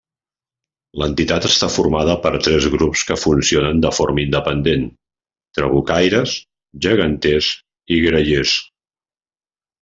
L'entitat està formada per tres grups que funcionen de forma independent: trabucaires, geganters i grallers.